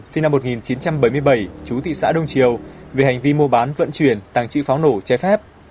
sinh năm một nghìn chín trăm bảy mươi bảy chú thị xã đông triều về hành vi mua bán vận chuyển tàng trữ pháo nổ trái phép